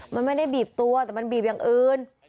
มันไม่ได้บีบตัวแต่มันบีบอย่างอื่น